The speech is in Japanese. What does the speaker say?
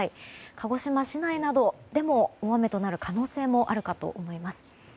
鹿児島市内などでも大雨となる可能性もあるかと思います。